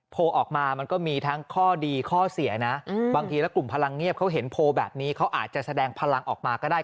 ออกมามันก็มีทั้งข้อดีข้อเสียนะบางทีแล้วกลุ่มพลังเงียบเขาเห็นโพลแบบนี้เขาอาจจะแสดงพลังออกมาก็ได้